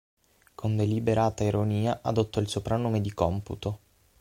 Con deliberata ironia, adottò il soprannome di Computo.